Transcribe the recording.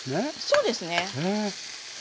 そうですね。